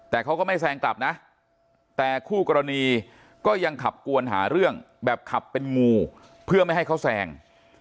แต่เขาก็ไม่แซงกลับนะแต่คู่กรณีก็ยังขับกวนหาเรื่องแบบขับเป็นงูเพื่อไม่ให้เขาแซง